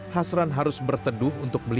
hasran harus bertedup untuk beli